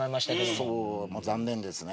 そう残念ですね。